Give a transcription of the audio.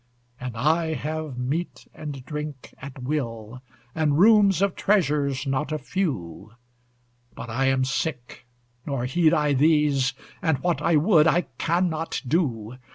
And I have meat and drink at will, And rooms of treasures, not a few, But I am sick, nor heed I these; And what I would, I cannot do.